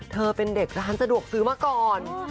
เป็นเด็กร้านสะดวกซื้อมาก่อน